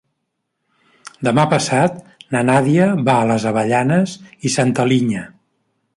Demà passat na Nàdia va a les Avellanes i Santa Linya.